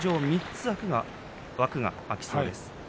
３つ枠が空きそうです。